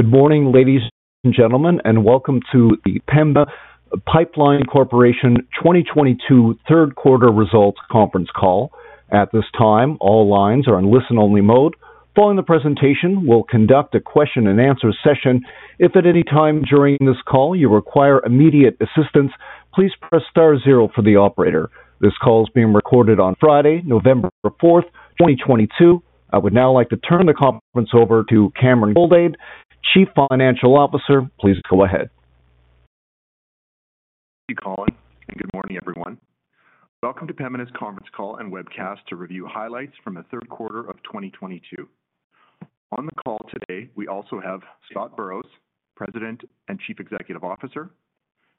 Good morning, ladies and gentlemen, and welcome to the Pembina Pipeline Corporation 2022 third quarter results conference call. At this time, all lines are on listen-only mode. Following the presentation, we'll conduct a question-and-answer session. If at any time during this call you require immediate assistance, please press star zero for the operator. This call is being recorded on Friday, November 4th, 2022. I would now like to turn the conference over to Cameron Goldade, Chief Financial Officer. Please go ahead. Thank you, Colin, and good morning, everyone. Welcome to Pembina's conference call and webcast to review highlights from the third quarter of 2022. On the call today, we also have Scott Burrows, President and Chief Executive Officer,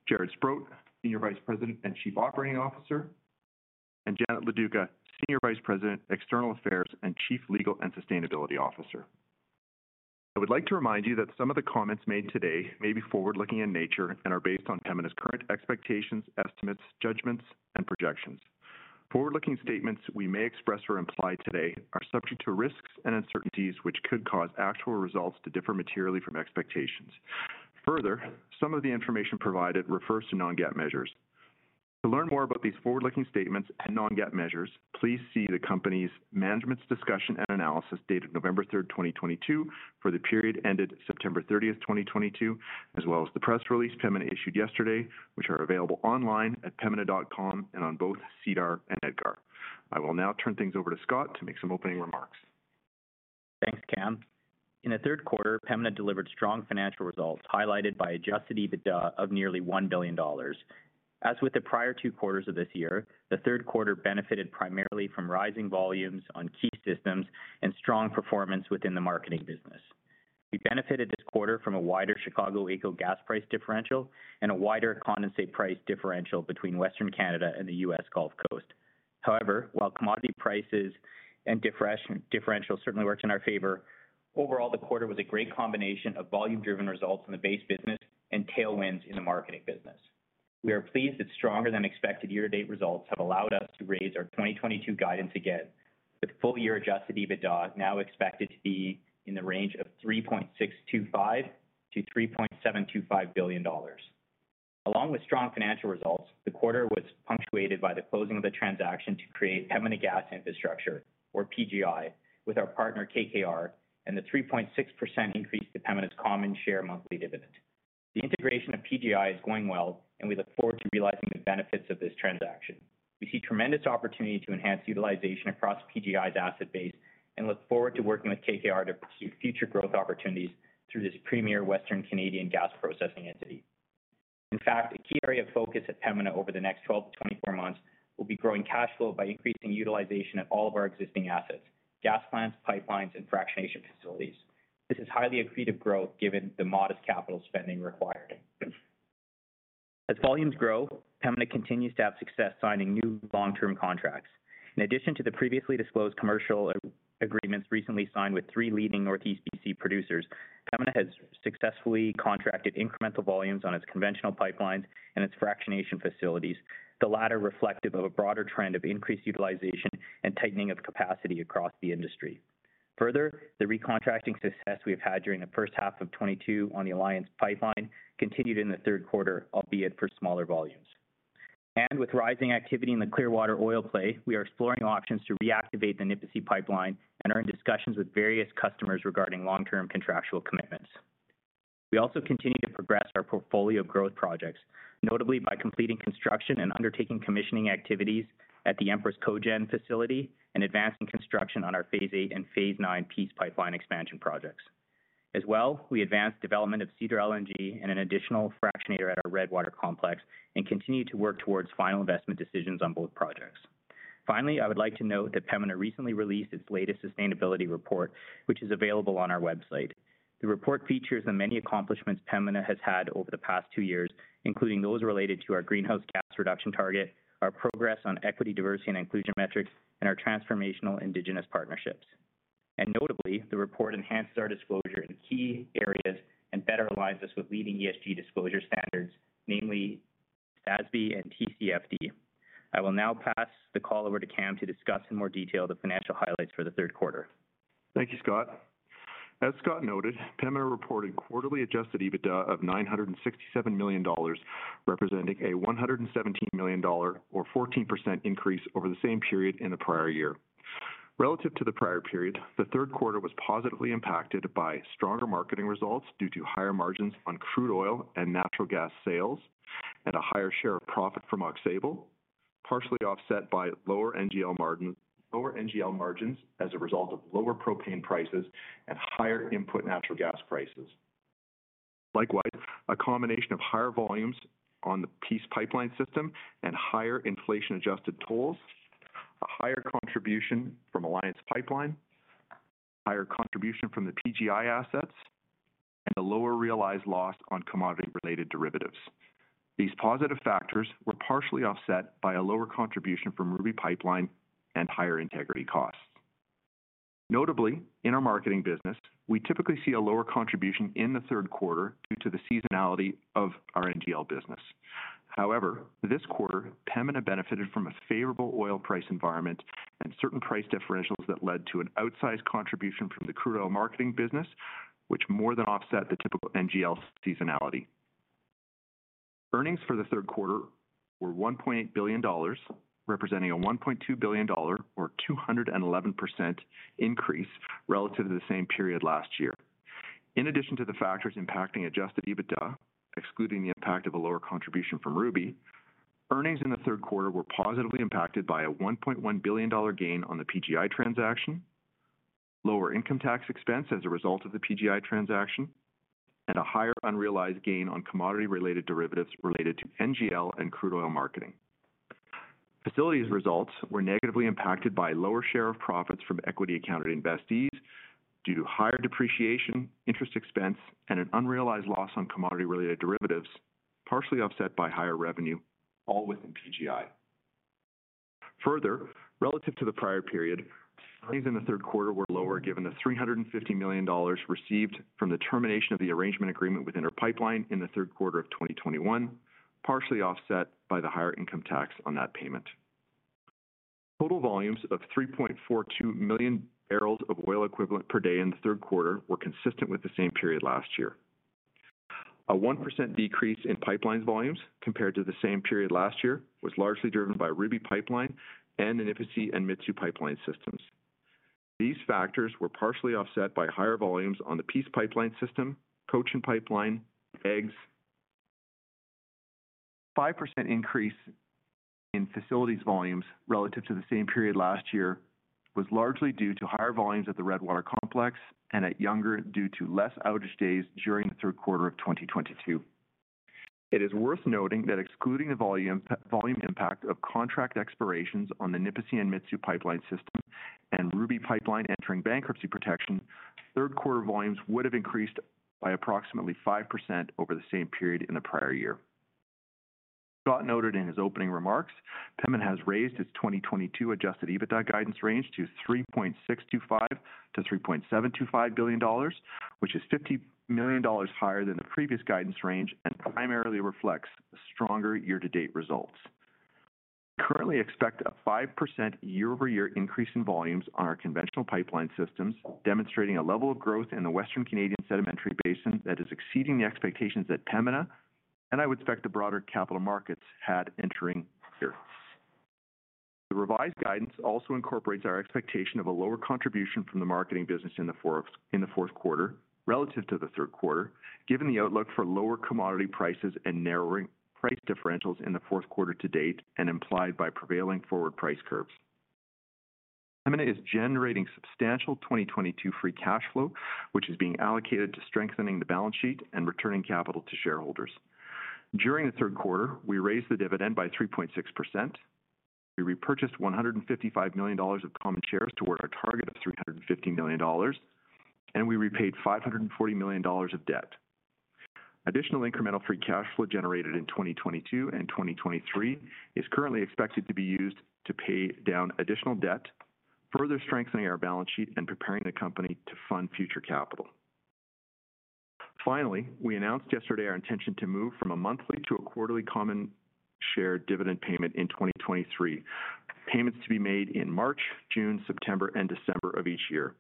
Jaret Sprott, Senior Vice President and Chief Operating Officer, and Janet Loduca, Senior Vice President, External Affairs and Chief Legal and Sustainability Officer. I would like to remind you that some of the comments made today may be forward-looking in nature and are based on Pembina's current expectations, estimates, judgments, and projections. Forward-looking statements we may express or imply today are subject to risks and uncertainties which could cause actual results to differ materially from expectations. Further, some of the information provided refers to non-GAAP measures. To learn more about these forward-looking statements and non-GAAP measures, please see the company's management's discussion and analysis dated November 3rd, 2022 for the period ended September 30th, 2022, as well as the press release Pembina issued yesterday, which are available online at pembina.com and on both SEDAR and EDGAR. I will now turn things over to Scott to make some opening remarks. Thanks, Cam. In the third quarter, Pembina delivered strong financial results highlighted by Adjusted EBITDA of nearly 1 billion dollars. As with the prior two quarters of this year, the third quarter benefited primarily from rising volumes on key systems and strong performance within the marketing business. We benefited this quarter from a wider Chicago AECO gas price differential and a wider condensate price differential between Western Canada and the U.S. Gulf Coast. However, while Commodity Prices and differentials certainly worked in our favor, overall, the quarter was a great combination of volume-driven results in the base business and tailwinds in the marketing business. We are pleased that stronger than expected year-to-date results have allowed us to raise our 2022 guidance again, with full-year Adjusted EBITDA now expected to be in the range of 3.625 billion-3.725 billion dollars. Along with strong financial results, the quarter was punctuated by the closing of the transaction to create Pembina Gas Infrastructure, or PGI, with our partner KKR, and the 3.6% increase to Pembina's common share monthly dividend. The integration of PGI is going well, and we look forward to realizing the benefits of this transaction. We see tremendous opportunity to enhance utilization across PGI's asset base and look forward to working with KKR to pursue future growth opportunities through this premier Western Canadian gas processing entity. In fact, a key area of focus at Pembina over the next 12-24 months will be growing cash flow by increasing utilization of all of our existing assets, gas plants, pipelines, and fractionation facilities. This is highly accretive growth given the modest capital spending required. As volumes grow, Pembina continues to have success signing new long-term contracts. In addition to the previously disclosed commercial agreements recently signed with three leading Northeast BC producers, Pembina has successfully contracted incremental volumes on its conventional pipelines and its fractionation facilities, the latter reflective of a broader trend of increased utilization and tightening of capacity across the industry. Further, the recontracting success we have had during the first half of 2022 on the Alliance Pipeline continued in the third quarter, albeit for smaller volumes. With rising activity in the Clearwater Oil Play, we are exploring options to reactivate the Nipisi Pipeline and are in discussions with various customers regarding long-term contractual commitments. We also continue to progress our portfolio of growth projects, notably by completing construction and undertaking commissioning activities at the Empress Co-generation Facility and advancing construction on our phase 8 and phase 9 Peace Pipeline expansion projects. As well, we advanced development of Cedar LNG and an additional fractionator at our Redwater Complex and continue to work towards final investment decisions on both projects. Finally, I would like to note that Pembina recently released its latest sustainability report, which is available on our website. The report features the many accomplishments Pembina has had over the past two years, including those related to our greenhouse gas reduction target, our progress on equity, diversity, and inclusion metrics, and our transformational indigenous partnerships. Notably, the report enhanced our disclosure in key areas and better aligns us with leading ESG disclosure standards, namely SASB and TCFD. I will now pass the call over to Cam to discuss in more detail the financial highlights for the third quarter. Thank you, Scott. As Scott noted, Pembina reported quarterly Adjusted EBITDA of 967 million dollars, representing a 117 million or 14% increase over the same period in the prior year. Relative to the prior period, the third quarter was positively impacted by stronger marketing results due to higher margins on crude oil and natural gas sales and a higher share of profit from Oxbow, partially offset by lower NGL margins as a result of lower propane prices and higher input natural gas prices. Likewise, a combination of higher volumes on the Peace Pipeline system and higher inflation-adjusted tolls, a higher contribution from Alliance Pipeline, higher contribution from the PGI assets, and a lower realized loss on commodity-related derivatives. These positive factors were partially offset by a lower contribution from Ruby Pipeline and higher integrity costs. Notably, in our marketing business, we typically see a lower contribution in the third quarter due to the seasonality of our NGL business. However, this quarter, Pembina benefited from a favorable oil price environment and certain price differentials that led to an outsized contribution from the crude oil marketing business, which more than offset the typical NGL seasonality. Earnings for the third quarter were 1.8 billion dollars, representing a 1.2 billion or 211% increase relative to the same period last year. In addition to the factors impacting Adjusted EBITDA, excluding the impact of a lower contribution from Ruby, earnings in the third quarter were positively impacted by a 1.1 billion dollar gain on the PGI Transaction, lower income tax expense as a result of the PGI Transaction, and a higher unrealized gain on commodity-related derivatives related to NGL and crude oil marketing. Facilities results were negatively impacted by lower share of profits from equity accounted investees due to higher depreciation, interest expense, and an unrealized loss on commodity-related derivatives, partially offset by higher revenue, all within PGI. Further, relative to the prior period, earnings in the third quarter were lower given the 350 million dollars received from the termination of the arrangement agreement within our pipeline in the third quarter of 2021, partially offset by the higher income tax on that payment. Total volumes of 3.42 million barrels of oil equivalent per day in the third quarter were consistent with the same period last year. A 1% decrease in pipeline volumes compared to the same period last year was largely driven by Ruby Pipeline and the Nipisi and Mitsue Pipeline systems. These factors were partially offset by higher volumes on the Peace Pipeline system, Cochin Pipeline, AEGS. 5% increase in facilities volumes relative to the same period last year was largely due to higher volumes at the Redwater Complex and at Younger due to less outage days during the third quarter of 2022. It is worth noting that excluding the volume impact of contract expirations on the Nipisi and Mitsue Pipeline system and Ruby Pipeline entering bankruptcy protection, third quarter volumes would have increased by approximately 5% over the same period in the prior year. Scott noted in his opening remarks, Pembina has raised its 2022 Adjusted EBITDA guidance range to 3.625 billion-3.725 billion dollars, which is 50 million dollars higher than the previous guidance range and primarily reflects stronger year-to-date results. Currently expect a 5% year-over-year increase in volumes on our conventional pipeline systems, demonstrating a level of growth in the Western Canadian Sedimentary Basin that is exceeding the expectations at Pembina, and I would expect the broader capital markets had entering the year. The revised guidance also incorporates our expectation of a lower contribution from the marketing business in the fourth quarter relative to the third quarter, given the outlook for lower Commodity Prices and narrowing price differentials in the fourth quarter to date and implied by prevailing forward price curves. Pembina is generating substantial 2022 free cash flow, which is being allocated to strengthening the balance sheet and returning capital to shareholders. During the third quarter, we raised the dividend by 3.6%. We repurchased 155 million dollars of common shares toward our target of 350 million dollars, and we repaid 540 million dollars of debt. Additional incremental free cash flow generated in 2022 and 2023 is currently expected to be used to pay down additional debt, further strengthening our balance sheet and preparing the company to fund future capital. Finally, we announced yesterday our intention to move from a monthly to a quarterly common share dividend payment in 2023. Payments to be made in March, June, September, and December of each year.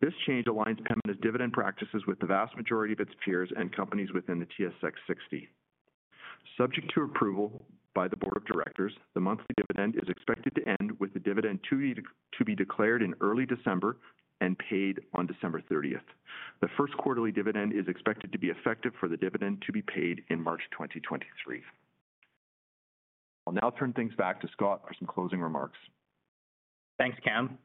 This change aligns Pembina's dividend practices with the vast majority of its peers and companies within the TSX 60. Subject to approval by the board of directors, the monthly dividend is expected to end with the dividend to be declared in early December and paid on December 30th. The first quarterly dividend is expected to be effective for the dividend to be paid in March 2023. I'll now turn things back to Scott for some closing remarks. Thanks, Cam.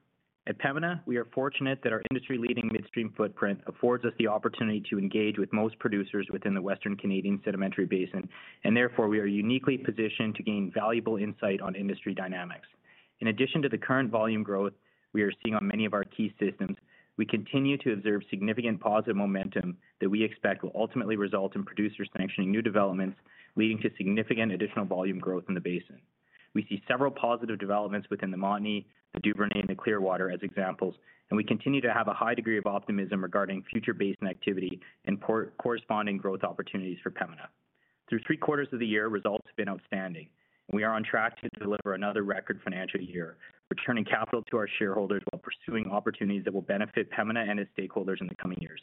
At Pembina, we are fortunate that our industry-leading midstream footprint affords us the opportunity to engage with most producers within the Western Canadian Sedimentary Basin, and therefore, we are uniquely positioned to gain valuable insight on industry dynamics. In addition to the current volume growth we are seeing on many of our key systems, we continue to observe significant positive momentum that we expect will ultimately result in producers sanctioning new developments, leading to significant additional volume growth in the basin. We see several positive developments within the Montney, the Duvernay, and the Clearwater as examples, and we continue to have a high degree of optimism regarding future basin activity and corresponding growth opportunities for Pembina. Through three quarters of the year, results have been outstanding, and we are on track to deliver another record financial year, returning capital to our shareholders while pursuing opportunities that will benefit Pembina and its stakeholders in the coming years.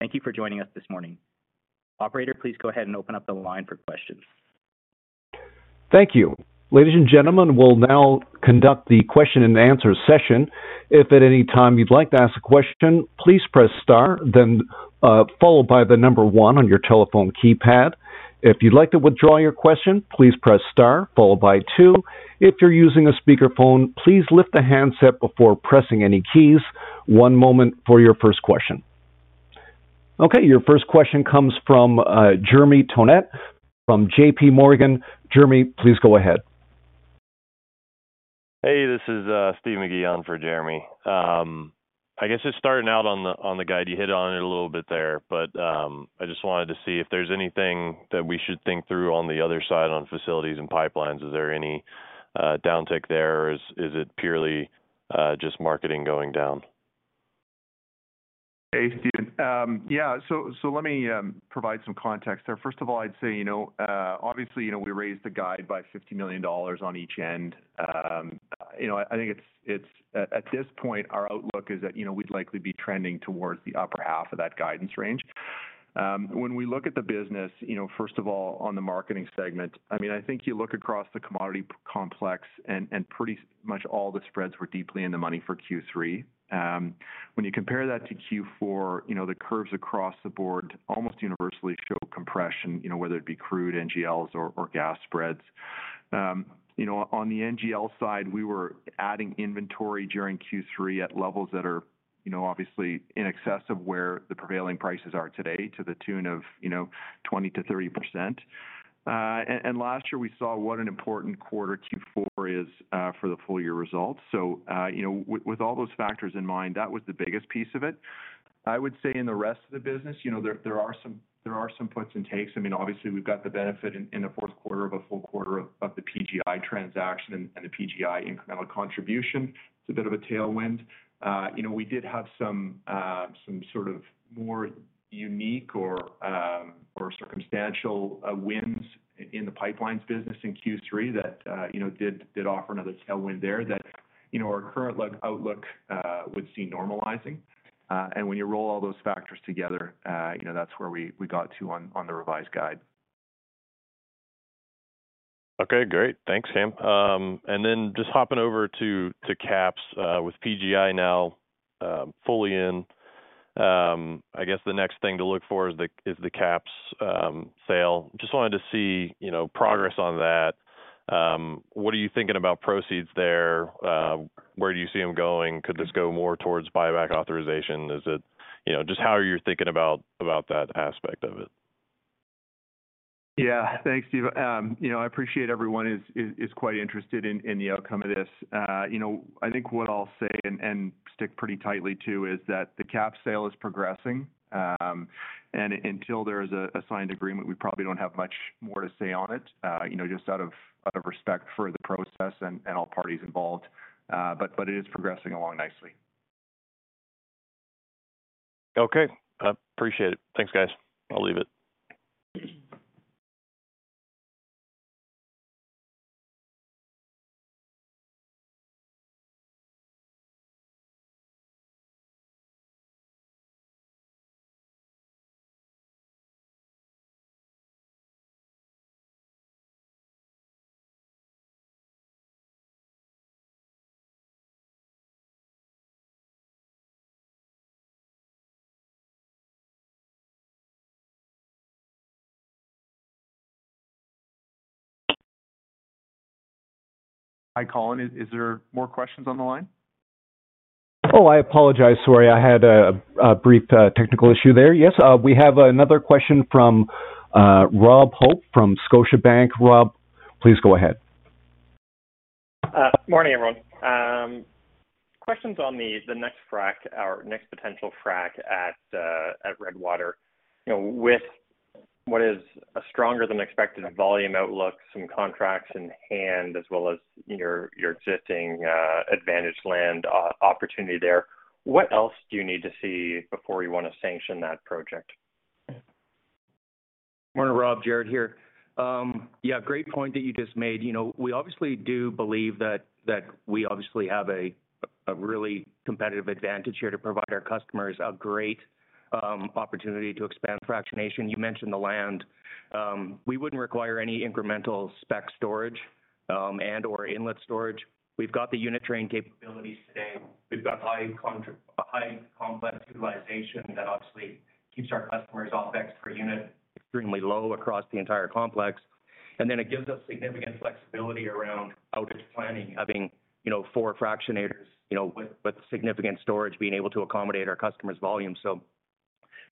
Thank you for joining us this morning. Operator, please go ahead and open up the line for questions. Thank you. Ladies and gentlemen, we'll now conduct the question and answer session. If at any time you'd like to ask a question, please press star, then followed by the number one on your telephone keypad. If you'd like to withdraw your question, please press star followed by two. If you're using a speakerphone, please lift the handset before pressing any keys. One moment for your first question. Okay, your first question comes from Jeremy Tonet from JP Morgan. Jeremy, please go ahead. Hey, this is Steve McGee on for Jeremy. I guess just starting out on the guide, you hit on it a little bit there, but I just wanted to see if there's anything that we should think through on the other side on facilities and pipelines. Is there any downtick there, or is it purely just marketing going down? Hey, Steve. Yeah, let me provide some context there. First of all, I'd say, you know, obviously, you know, we raised the guide by 50 million dollars on each end. You know, I think it's at this point, our outlook is that, you know, we'd likely be trending towards the upper half of that guidance range. When we look at the business, you know, first of all, on the marketing segment, I mean, I think you look across the commodity complex and pretty much all the spreads were deeply in the money for Q3. When you compare that to Q4, you know, the curves across the board almost universally show compression, you know, whether it be crude, NGLs or gas spreads. You know, on the NGL side, we were adding inventory during Q3 at levels that are, you know, obviously in excess of where the prevailing prices are today, to the tune of, you know, 20%-30%. Last year we saw what an important quarter Q4 is for the full year results. You know, with all those factors in mind, that was the biggest piece of it. I would say in the rest of the business, you know, there are some puts and takes. I mean, obviously we've got the benefit in the fourth quarter of a full quarter of the PGI Transaction and the PGI incremental contribution. It's a bit of a tailwind. You know, we did have some sort of more unique or circumstantial wins in the pipelines business in Q3 that you know did offer another tailwind there that you know our current outlook would see normalizing. When you roll all those factors together, you know, that's where we got to on the revised guide. Okay, great. Thanks, Cam Goldade. Just hopping over to KAPS with PGI now fully in, I guess the next thing to look for is the KAPS sale. Just wanted to see, you know, progress on that. What are you thinking about proceeds there? Where do you see them going? Could this go more towards buyback authorization? You know, just how are you thinking about that aspect of it? Yeah. Thanks, Steve. I appreciate everyone is quite interested in the outcome of this. I think what I'll say and stick pretty tightly to is that the KAPS sale is progressing. Until there is a signed agreement, we probably don't have much more to say on it, just out of respect for the process and all parties involved. It is progressing along nicely. Okay. Appreciate it. Thanks, guys. I'll leave it. Hi, Colin. Is there more questions on the line? Oh, I apologize. Sorry, I had a brief technical issue there. Yes, we have another question from Rob Hope from Scotiabank. Rob, please go ahead. Morning, everyone. Questions on the next frac or next potential frac at Redwater. You know, with what is a stronger than expected volume outlook, some contracts in hand, as well as your existing advantaged land opportunity there, what else do you need to see before you wanna sanction that project? Morning, Rob. Jaret here. Yeah, great point that you just made. You know, we obviously do believe that we obviously have a really competitive advantage here to provide our customers a great opportunity to expand fractionation. You mentioned the land. We wouldn't require any incremental spec storage and/or inlet storage. We've got the unit train capabilities today. We've got a high complex utilization that obviously keeps our customers' OPEX per unit extremely low across the entire complex. And then it gives us significant flexibility around outage planning, having, you know, four fractionators, you know, with significant storage being able to accommodate our customers' volume.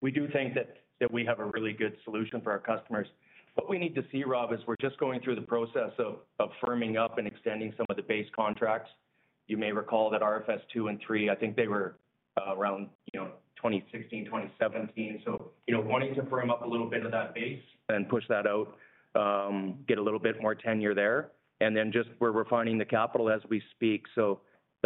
We do think that we have a really good solution for our customers. What we need to see, Rob, is we're just going through the process of firming up and extending some of the base contracts. You may recall that RFS II and III, I think they were around, you know, 2016, 2017. You know, wanting to firm up a little bit of that base and push that out, get a little bit more tenure there. Then just we're refining the capital as we speak.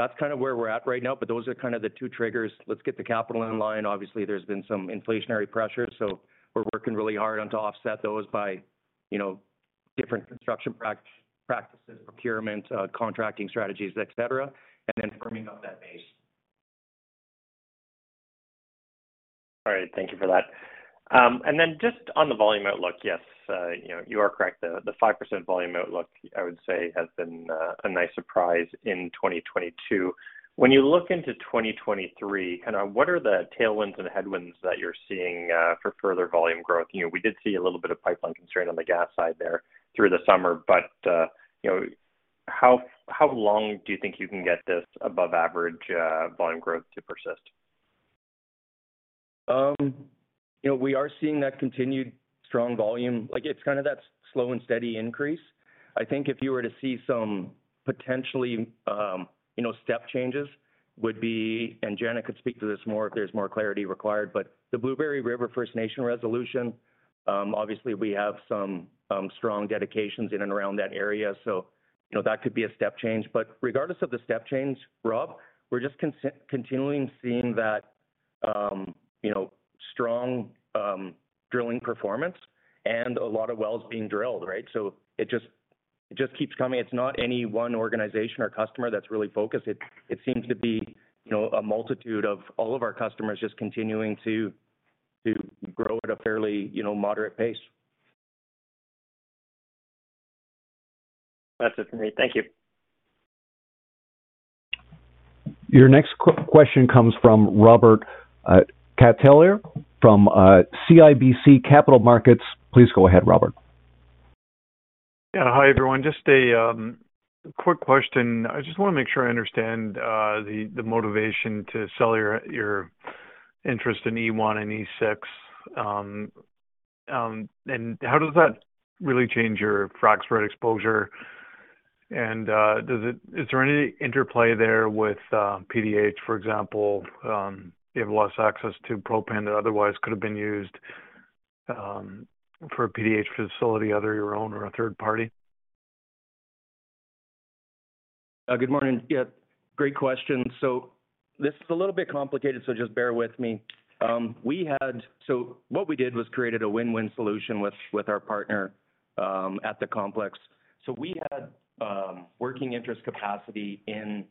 That's kind of where we're at right now, but those are kind of the two triggers. Let's get the capital in line. Obviously, there's been some inflationary pressures, so we're working really hard on to offset those by, you know, different construction practices, procurement, contracting strategies, et cetera, and then firming up that base. All right. Thank you for that. Just on the volume outlook, yes, you know, you are correct. The five percent volume outlook, I would say, has been a nice surprise in 2022. When you look into 2023, kind of what are the tailwinds and headwinds that you're seeing for further volume growth? You know, we did see a little bit of pipeline concern on the gas side there through the summer, but you know, how long do you think you can get this above average volume growth to persist? You know, we are seeing that continued strong volume. Like, it's kind of that slow and steady increase. I think if you were to see some potentially, you know, step changes would be, and Janet could speak to this more if there's more clarity required, but the Blueberry River First Nations resolution. Obviously, we have some strong dedications in and around that area, so you know, that could be a step change. Regardless of the step change, Rob, we're just continuing seeing that you know, strong drilling performance and a lot of wells being drilled, right? It just keeps coming. It's not any one organization or customer that's really focused. It seems to be you know, a multitude of all of our customers just continuing to grow at a fairly you know, moderate pace. That's it for me. Thank you. Your next question comes from Robert Catellier from CIBC Capital Markets. Please go ahead, Robert. Yeah. Hi, everyone. Just a quick question. I just wanna make sure I understand the motivation to sell your interest in E1 and E6. How does that really change your frac spread exposure? Is there any interplay there with PDH, for example, you have less access to propane that otherwise could have been used for a PDH facility, either your own or a third party? Good morning. Yeah, great question. This is a little bit complicated, so just bear with me. We had what we did was created a win-win solution with our partner at the complex. We had working interest capacity in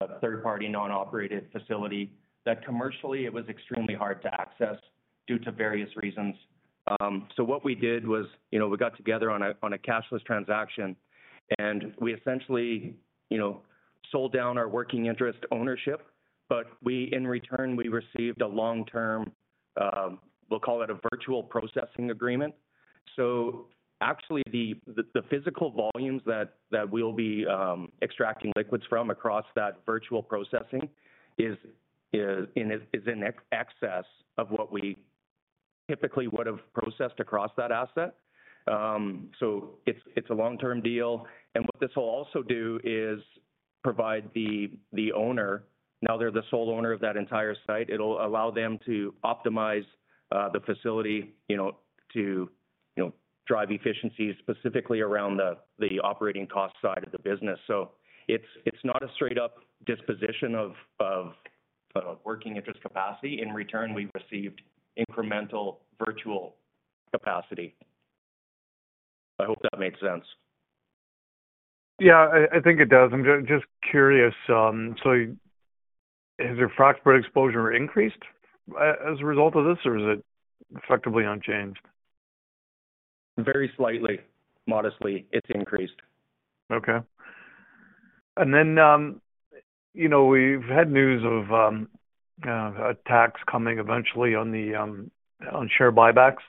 a third party, non-operated facility that commercially it was extremely hard to access due to various reasons. What we did was, you know, we got together on a cashless transaction, and we essentially, you know, sold down our working interest ownership. We in return, we received a long-term, we'll call it a virtual processing agreement. Actually the physical volumes that we'll be extracting liquids from across that virtual processing is in excess of what we typically would have processed across that asset. It's a long-term deal. What this will also do is provide the owner. Now they're the sole owner of that entire site. It'll allow them to optimize the facility, you know, to you know drive efficiencies specifically around the operating cost side of the business. It's not a straight up disposition of working interest capacity. In return, we've received incremental virtual capacity. I hope that make sense. Yeah, I think it does. I'm just curious. Has your frac spread exposure increased as a result of this, or is it effectively unchanged? Very slightly. Modestly, it's increased. Okay. You know, we've had news of a tax coming eventually on the share buybacks.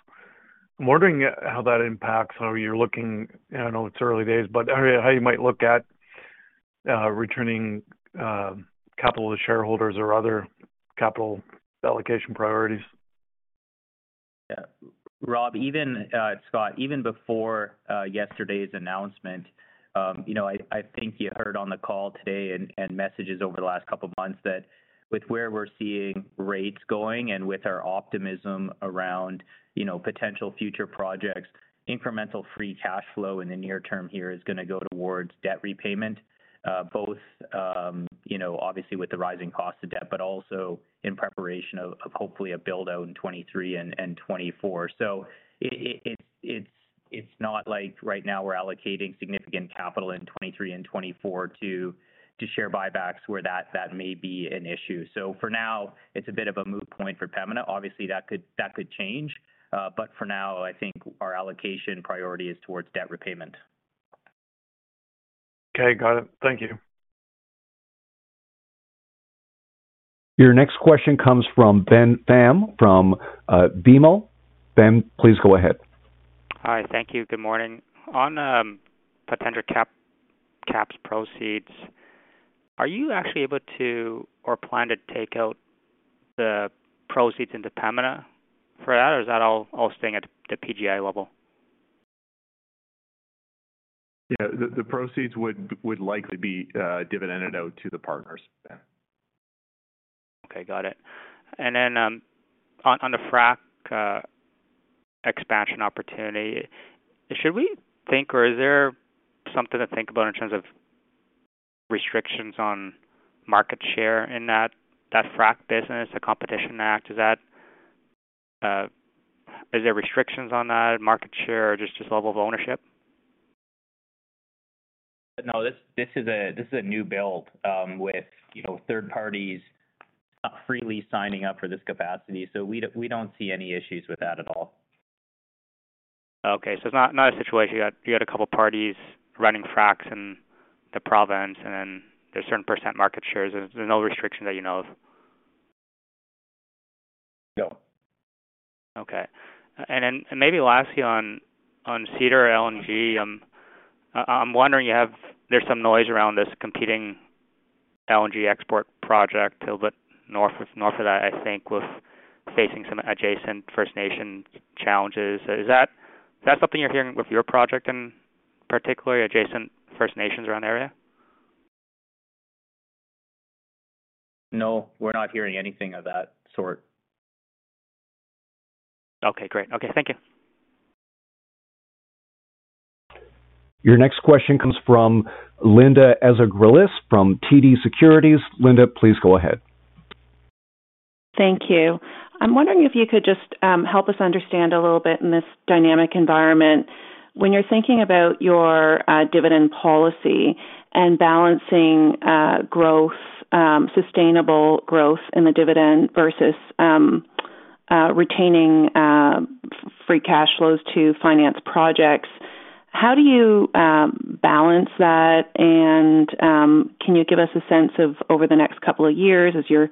I'm wondering how that impacts how you're looking. I know it's early days, but I mean, how you might look at returning capital to shareholders or other capital allocation priorities? Yeah. Rob, even Scott, even before yesterday's announcement, you know, I think you heard on the call today and messages over the last couple of months that with where we're seeing rates going and with our optimism around, you know, potential future projects, incremental free cash flow in the near term here is gonna go towards debt repayment. Both, you know, obviously with the rising cost of debt, but also in preparation of hopefully a build-out in 2023 and 2024. It's not like right now we're allocating significant capital in 2023 and 2024 to share buybacks where that may be an issue. For now, it's a bit of a moot point for Pembina. Obviously, that could change. For now, I think our allocation priority is towards debt repayment. Okay, got it. Thank you. Your next question comes from Ben Pham from BMO. Ben, please go ahead. Hi. Thank you. Good morning. On PGI CapEx proceeds, are you actually able to or plan to take out the proceeds into Pembina for that, or is that all staying at the PGI level? Yeah. The proceeds would likely be dividended out to the partners. Okay, got it. On the frac expansion opportunity, should we think or is there something to think about in terms of restrictions on market share in that frac business, the Competition Act? Are there restrictions on that market share or just level of ownership? No, this is a new build, you know, with third parties freely signing up for this capacity. We don't see any issues with that at all. Okay. It's not a situation you had a couple parties running fracks in the province, and then there's certain percent market shares. There's no restrictions that you know of? No. Maybe lastly on Cedar LNG, I'm wondering, there's some noise around this competing LNG export project a little bit north of that, I think, with facing some adjacent First Nations challenges. Is that something you're hearing with your project and particularly adjacent First Nations around the area? No, we're not hearing anything of that sort. Okay, great. Okay. Thank you. Your next question comes from Linda Ezergailis from TD Securities. Linda, please go ahead. Thank you. I'm wondering if you could just help us understand a little bit in this dynamic environment. When you're thinking about your dividend policy and balancing growth sustainable growth in the dividend versus retaining free cash flows to finance projects, how do you balance that? Can you give us a sense of over the next couple of years as you're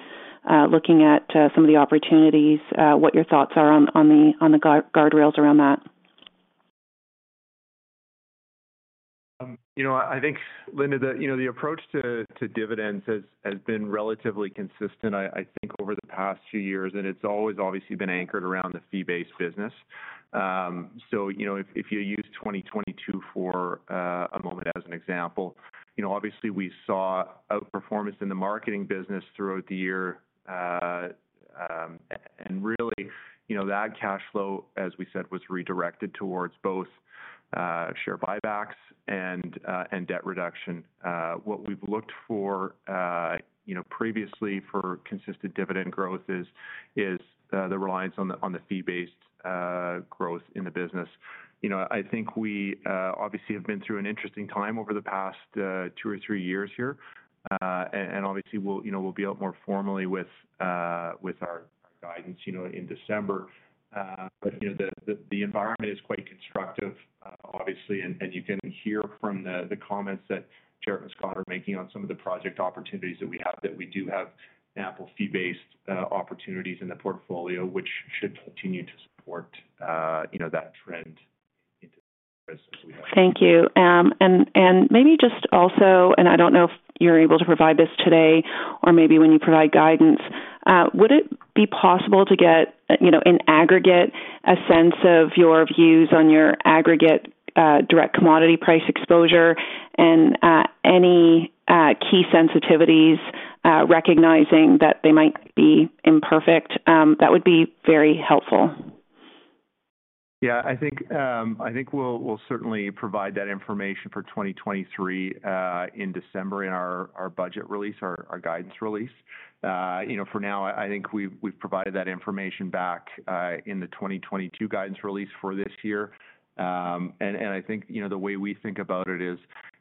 looking at some of the opportunities what your thoughts are on the guardrails around that? You know, I think, Linda, the approach to dividends has been relatively consistent, I think over the past few years, and it's always obviously been anchored around the fee-based business. You know, if you use 2022 for a moment as an example, you know, obviously we saw outperformance in the marketing business throughout the year. Really, you know, that cash flow, as we said, was redirected towards both share buybacks and debt reduction. What we've looked for, you know, previously for consistent dividend growth is the reliance on the fee-based growth in the business. You know, I think we obviously have been through an interesting time over the past two or three years here. Obviously we'll, you know, we'll be out more formally with our guidance, you know, in December. You know, the environment is quite constructive, obviously, and you can hear from the comments that Jaret and Scott are making on some of the project opportunities that we have, that we do have ample fee-based opportunities in the portfolio, which should continue to support, you know, that trend into the future as we have. Thank you. Maybe just also, I don't know if you're able to provide this today or maybe when you provide guidance, would it be possible to get, you know, in aggregate, a sense of your views on your aggregate direct Commodity Price exposure and any key sensitivities, recognizing that they might be imperfect? That would be very helpful. Yeah. I think we'll certainly provide that information for 2023 in December in our budget release, our guidance release. You know, for now I think we've provided that information back in the 2022 guidance release for this year. I think you know the way we think about it is,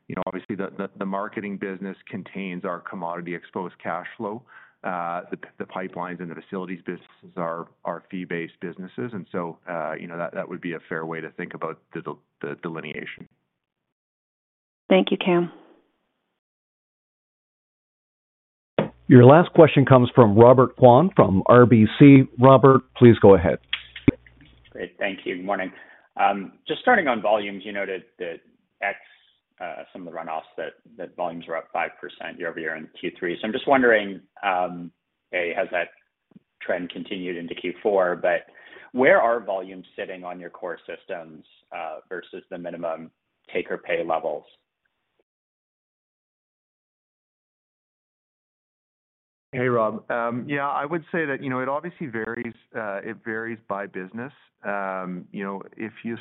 you know, obviously the marketing business contains our commodity exposed cash flow. The Pipelines and the Facilities businesses are fee-based businesses. You know, that would be a fair way to think about the delineation. Thank you, Cam. Your last question comes from Robert Kwan from RBC. Robert, please go ahead. Great. Thank you. Morning. Just starting on volumes, you noted that ex some of the runoffs, volumes are up 5% year-over-year in Q3. I'm just wondering, has that trend continued into Q4? Where are volumes sitting on your core systems versus the minimum take-or-pay levels? Hey, Rob. Yeah, I would say that, you know, it obviously varies, it varies by business. You know, if you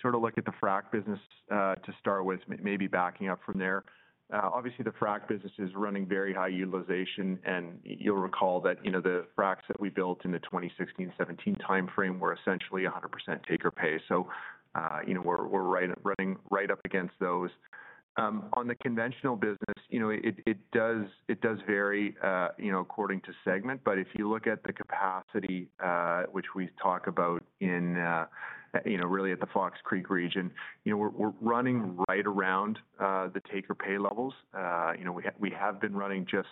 sort of look at the frack business to start with, maybe backing up from there. Obviously the frack business is running very high utilization, and you'll recall that, you know, the fracks that we built in the 2016, 2017 timeframe were essentially 100% take or pay. So, you know, we're running right up against those. On the conventional business, you know, it does vary, you know, according to segment. But if you look at the capacity, which we talk about, you know, really at the Fox Creek region, you know, we're running right around the take or pay levels. You know, we have been running just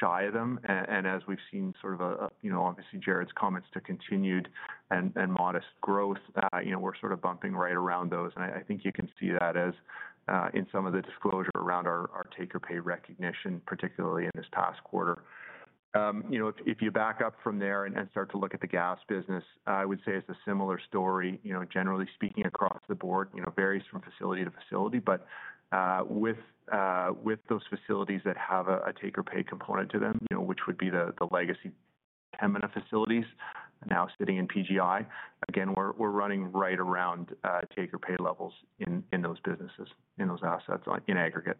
shy of them. As we've seen sort of, you know, obviously Jared's comments to continued and modest growth, you know, we're sort of bumping right around those. I think you can see that as in some of the disclosure around our take or pay recognition, particularly in this past quarter. You know, if you back up from there and start to look at the gas business, I would say it's a similar story, you know, generally speaking across the board. You know, varies from facility to facility, but with those facilities that have a take or pay component to them, you know, which would be the legacy Veresen facilities now sitting in PGI, again, we're running right around take or pay levels in those businesses, in those assets, like in aggregate.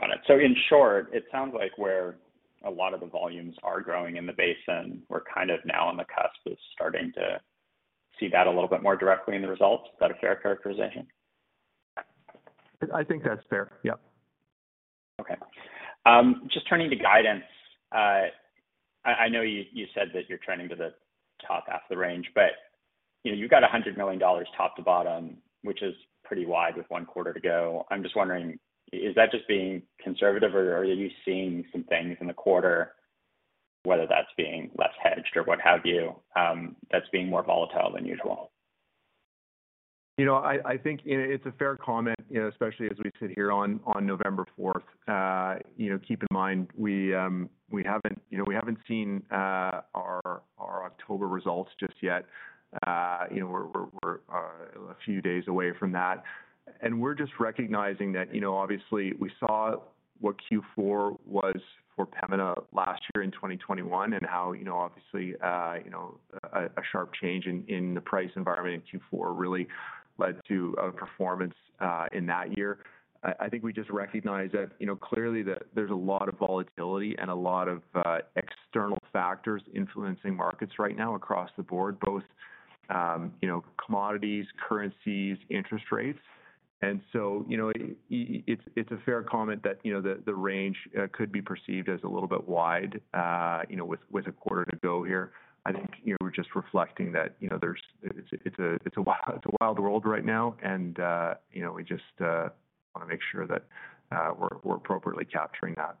Got it. In short, it sounds like where a lot of the volumes are growing in the basin, we're kind of now on the cusp of starting to see that a little bit more directly in the results. Is that a fair characterization? I think that's fair. Yep. Okay. Just turning to guidance. I know you said that you're trending to the top half of the range, but you know, you've got 100 million dollars top to bottom, which is pretty wide with one quarter to go. I'm just wondering, is that just being conservative or are you seeing some things in the quarter, whether that's being less hedged or what have you, that's being more volatile than usual? You know, I think it's a fair comment, you know, especially as we sit here on November 4th. You know, keep in mind, we haven't seen our October results just yet. You know, we're a few days away from that. We're just recognizing that, you know, obviously we saw what Q4 was for Pembina last year in 2021 and how, you know, obviously a sharp change in the price environment in Q4 really led to a performance in that year. I think we just recognize that, you know, clearly there's a lot of volatility and a lot of external factors influencing markets right now across the board, both, you know, Commodities, Currencies, Interest Rates. You know, it's a fair comment that, you know, the range could be perceived as a little bit wide, you know, with a quarter to go here. I think, you know, we're just reflecting that, you know, it's a wild world right now and, you know, we just wanna make sure that we're appropriately capturing that.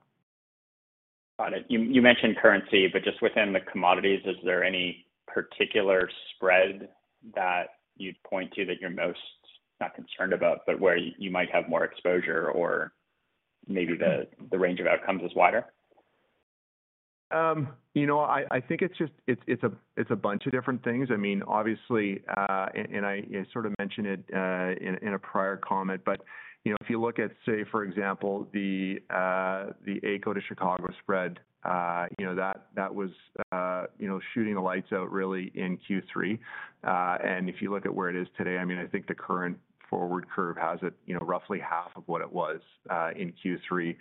Got it. You mentioned currency, but just within the commodities, is there any particular spread that you'd point to that you're most, not concerned about, but where you might have more exposure or maybe the range of outcomes is wider? You know, I think it's just a bunch of different things. I mean, obviously, and I sort of mentioned it in a prior comment, but you know, if you look at, say for example, the AECO to Chicago spread, you know, that was shooting the lights out really in Q3. If you look at where it is today, I mean, I think the current forward curve has it, you know, roughly half of what it was in Q3.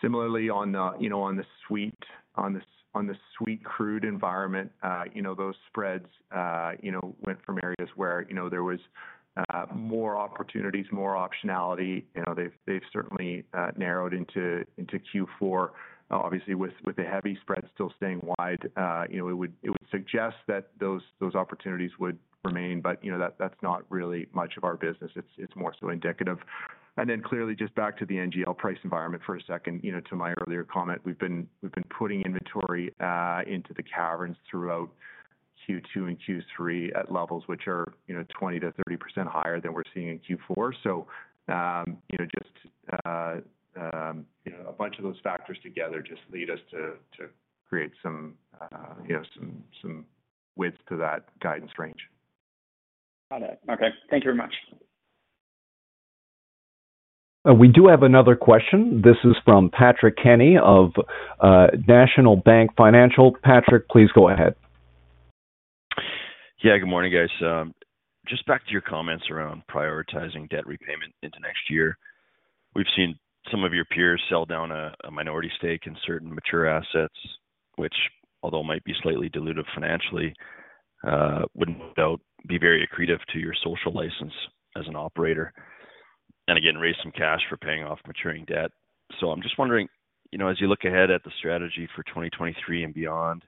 Similarly, on the sweet crude environment, you know, those spreads went from areas where there was more opportunities, more optionality. You know, they've certainly narrowed into Q4. Obviously, with the heavy spread still staying wide, you know, it would suggest that those opportunities would remain. That's not really much of our business, it's more so indicative. Clearly just back to the NGL price environment for a second. You know, to my earlier comment, we've been putting inventory into the caverns throughout Q2 and Q3 at levels which are, you know, 20%-30% higher than we're seeing in Q4. You know, just a bunch of those factors together just lead us to create some width to that guidance range. Got it. Okay. Thank you very much. We do have another question. This is from Patrick Kenny of National Bank Financial. Patrick, please go ahead. Yeah. Good morning, guys. Just back to your comments around prioritizing debt repayment into next year. We've seen some of your peers sell down a minority stake in certain mature assets, which although might be slightly dilutive financially, would no doubt be very accretive to your social license as an operator, and again, raise some cash for paying off maturing debt. I'm just wondering, you know, as you look ahead at the strategy for 2023 and beyond,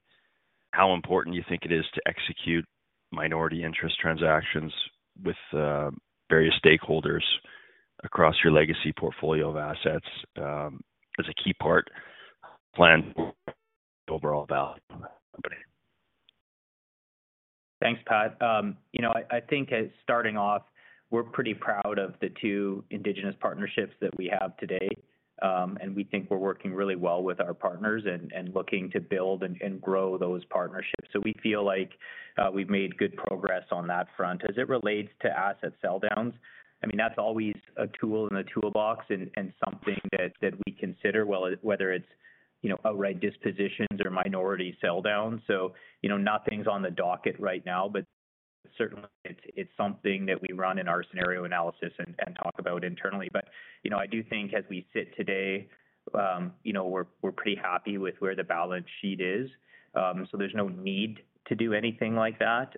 how important do you think it is to execute minority interest transactions with various stakeholders across your legacy portfolio of assets, as a key part of the plan overall value of the company? Thanks, Pat. You know, I think starting off, we're pretty proud of the two indigenous partnerships that we have today. We think we're working really well with our partners and looking to build and grow those partnerships. We feel like we've made good progress on that front. As it relates to asset sell downs, I mean, that's always a tool in the toolbox and something that we consider, well, whether it's, you know, outright dispositions or minority sell downs. You know, nothing's on the docket right now, but certainly it's something that we run in our scenario analysis and talk about internally. You know, I do think as we sit today, you know, we're pretty happy with where the balance sheet is. There's no need to do anything like that.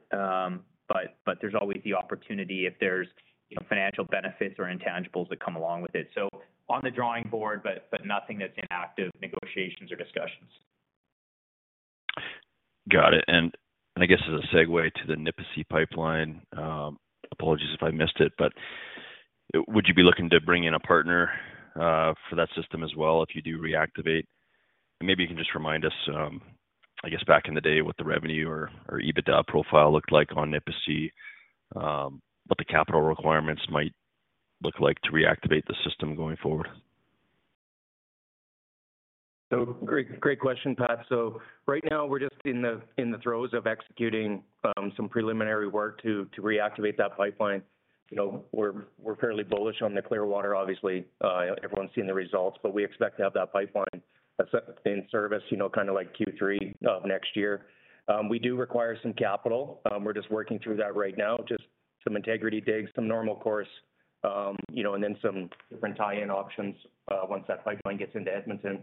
There's always the opportunity if there's, you know, financial benefits or intangibles that come along with it. On the drawing board, but nothing that's in active negotiations or discussions. Got it. I guess as a segue to the Nipisi Pipeline, apologies if I missed it, but would you be looking to bring in a partner for that system as well if you do reactivate? Maybe you can just remind us, I guess back in the day, what the revenue or EBITDA profile looked like on Nipisi, what the capital requirements might look like to reactivate the system going forward? Great question, Pat. Right now we're just in the throes of executing some preliminary work to reactivate that pipeline. You know, we're fairly bullish on the Clearwater obviously. Everyone's seen the results, but we expect to have that pipeline in service, you know, kind of like Q3 of next year. We do require some capital. We're just working through that right now. Just some integrity digs, some normal course, you know, and then some different tie in options once that pipeline gets into Edmonton.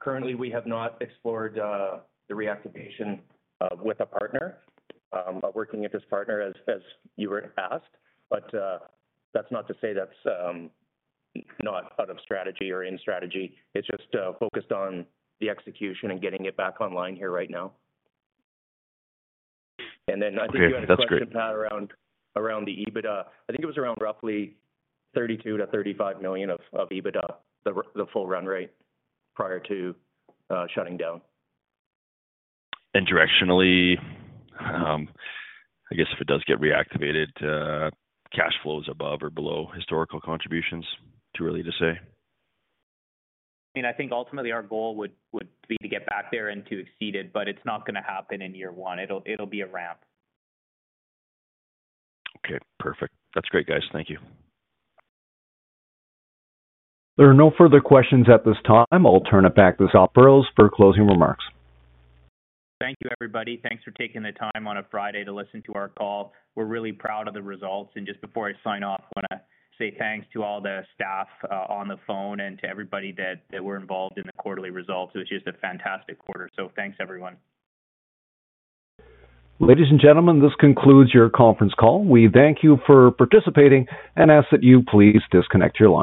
Currently, we have not explored the reactivation with a partner working with this partner as you were asked. That's not to say that's not out of strategy or in strategy, it's just focused on the execution and getting it back online here right now. Then I think you had a question, Pat, around- Okay. That's great. Around the EBITDA. I think it was around roughly 32-35 million of EBITDA, the full run rate prior to shutting down. Directionally, I guess if it does get reactivated, cash flows above or below historical contributions? Too early to say? I mean, I think ultimately our goal would be to get back there and to exceed it, but it's not gonna happen in year one. It'll be a ramp. Okay, perfect. That's great, guys. Thank you. There are no further questions at this time. I'll turn it back to the operators for closing remarks. Thank you, everybody. Thanks for taking the time on a Friday to listen to our call. We're really proud of the results. Just before I sign off, I wanna say thanks to all the staff on the phone and to everybody that were involved in the quarterly results. It was just a fantastic quarter. Thanks everyone. Ladies and gentlemen, this concludes your conference call. We thank you for participating and ask that you please disconnect your line.